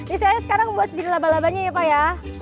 istilahnya sekarang buat jadi laba labanya ya pak ya